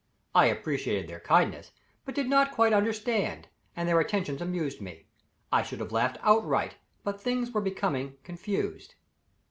I appreciated their kindness, but did not quite understand, and their attentions amused me. I should have laughed outright, but things were becoming confused.